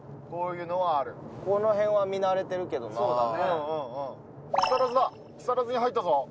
こういうのはあるこのへんは見慣れてるけどな木更津だ